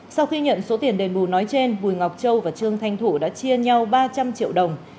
sau khi nhận số tiền đền bù nói trên bùi ngọc châu và trương thanh thủ đã chia nhau ba trăm linh triệu đồng